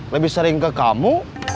lebih sering ke kamu